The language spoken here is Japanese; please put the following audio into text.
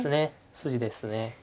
筋ですね。